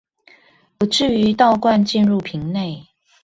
不致於倒灌進入瓶內